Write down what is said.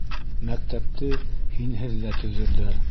Мәктәпте һинһеҙ ҙә төҙөрҙәр.